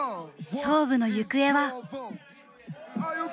勝負の行方は。